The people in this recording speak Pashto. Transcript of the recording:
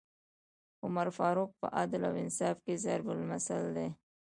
عمر فاروق په عدل او انصاف کي ضَرب مثل دی